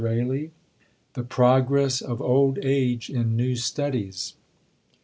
] THE PROGRESS OF OLD AGE IN NEW STUDIES.